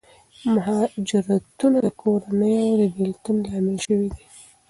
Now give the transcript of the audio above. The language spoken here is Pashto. مهاجرتونه د کورنیو د بېلتون لامل شوي دي.